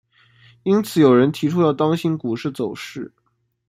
因此有人提出要当心股市走势。